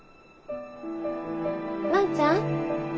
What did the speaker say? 万ちゃん？